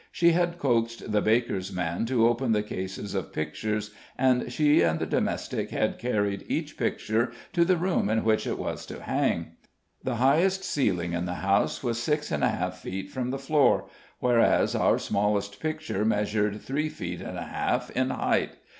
She had coaxed the baker's man to open the cases of pictures, and she and the domestic had carried each picture to the room in which it was to hang. The highest ceiling in the house was six and a half feet from the floor, whereas our smallest picture measured three feet and a half in height.